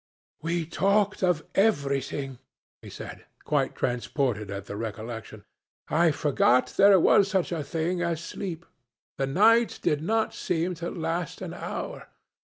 'We talked of everything,' he said, quite transported at the recollection. 'I forgot there was such a thing as sleep. The night did not seem to last an hour.